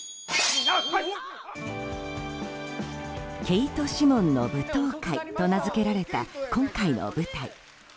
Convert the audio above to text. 「ケイト・シモンの舞踏会」と名付けられた今回の舞台。